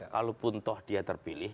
kalaupun toh dia terpilih